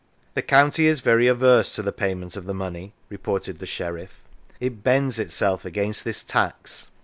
" The county is very averse to the payment of the money," reported the sheriff. It " bends itself against this tax."